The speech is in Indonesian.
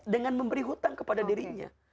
dengan memberi hutang kepada dirinya